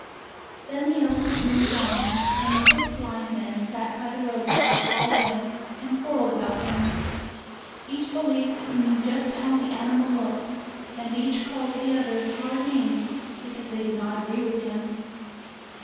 Then the elephant moved on, and the six blind men sat by the roadside all day, and quar reled about him. Each believed that he knew just how the animal looked; and each called the others hard names because they did not agree with him.